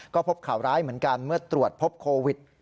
ก็พบข่าวร้ายเหมือนกันเมื่อตรวจพบโควิด